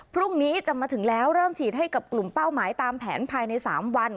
พรุ่งนี้จะมาถึงแล้วเริ่มฉีดให้กับกลุ่มเป้าหมายตามแผนภายใน๓วัน